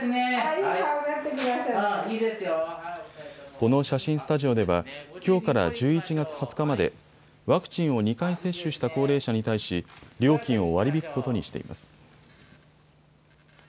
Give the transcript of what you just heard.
この写真スタジオではきょうから１１月２０日までワクチンを２回接種した高齢者に対し料金を割り引くことにしています。